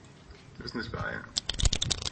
Sie müssen sich beeilen.